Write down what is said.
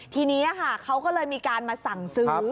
ทีนี้ค่ะเขาก็เลยมีการมาสั่งซื้อ